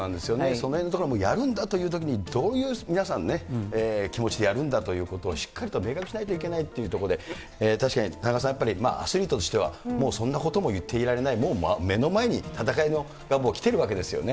そのへんのところはやるんだというときに、どういう皆さんね、気持ちでやるんだということをしっかりと明確にしないといけないということで、確かに田中さん、やっぱりアスリートとしてはそんなことも言っていられない、もう目の前に戦いがもう来てるわけですよね。